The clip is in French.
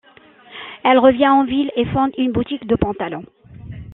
Elle revient en ville et fonde une boutique de pantalons.